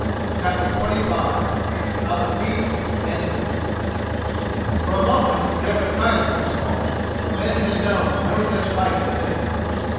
CHAPTER XXV HOW THE FEAST ENDED For a moment there was silence in the hall, for men had known no such fight as this.